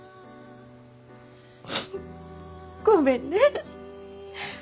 ごめんね。